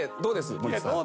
森田さん。